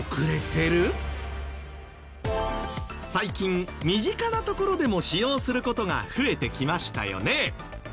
最近身近なところでも使用する事が増えてきましたよね。